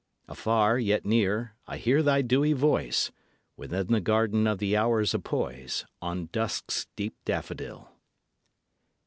Afar, yet near, I hear thy dewy voice Within the Garden of the Hours apoise On dusk's deep daffodil.